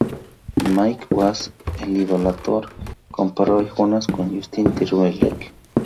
Mike Wass, de Idolator, comparó a Jonas con Justin Timberlake.